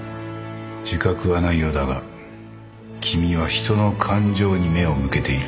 自覚はないようだが君は人の感情に目を向けている